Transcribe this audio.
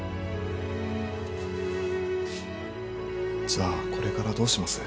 じゃあこれからどうします？